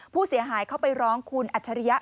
ผู้เสียหายเข้าไปร้องคุณอัจฉริยะ